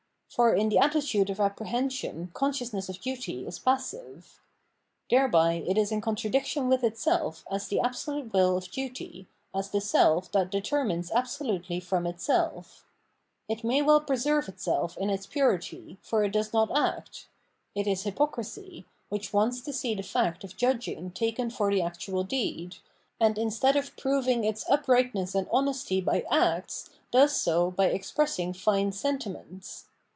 For in the attitude of apprehension consciousness of duty is passive. Thereby it is in contradiction with itself as the absolute will of duty, as the self that determines absolutely from itself. It may well preserve itself in its purity, for it does not act ; it is hypocrisy, which wants to see the fact of judging taken for the actual deed, and instead of proving its uprightness and honesty by acts does so by expressing fine sentiments.